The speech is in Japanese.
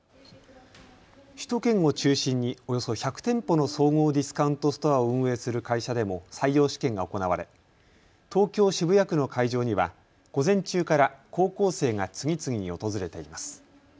首都圏を中心におよそ１００店舗の総合ディスカウントストアを運営する会社でも採用試験が行われ東京渋谷区の会場には午前中から高校生が次々に訪れています。